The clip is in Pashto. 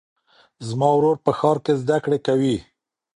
زما ورور په ښار کې زده کړې کوي.